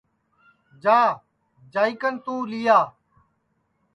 جا جائی کن توں لیا